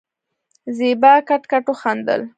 زېبا کټ کټ وخندل.